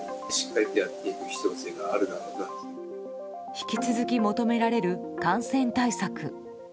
引き続き求められる感染対策。